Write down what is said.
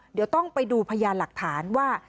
เดี๋ยวต้องไปดูพยานหลักฐานว่า